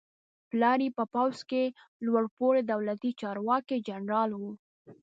پلار یې په پوځ کې لوړ پوړی دولتي چارواکی جنرال و.